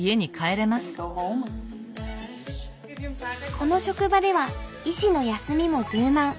この職場では医師の休みも柔軟。